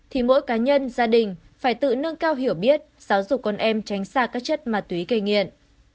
thì mỗi cá nhân gia đình phải tự nâng cao hiểu biết giáo dục con em tránh xa các chất ma túy gây nghiện